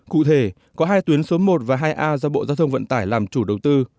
cụ thể có hai tuyến số một và hai a do bộ giao thông vận tải làm chủ đầu tư